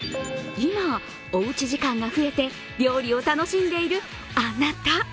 今、おうち時間が増えて料理を楽しんでいるあなた。